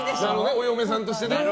お嫁さんとしてね。